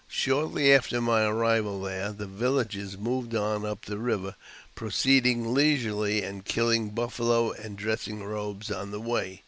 Shortly after my arrival there, the villages moved on up the river, proceeding leisurely, and killing buffalo and dressing robes on the way.